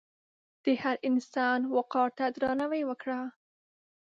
د هر انسان وقار ته درناوی وکړه.